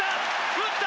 打った！